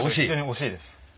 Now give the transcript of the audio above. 惜しいです。